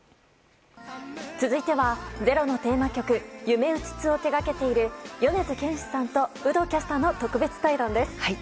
続いては「ｚｅｒｏ」のテーマ曲「ゆめうつつ」を手掛けている米津玄師さんと有働キャスターの特別対談です。